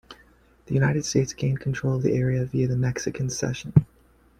The United States gained control of the area via the Mexican Cession.